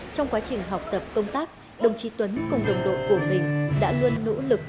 trong quá trình học tập công tác đồng chí tuấn cùng đồng đội của mình đã luôn nỗ lực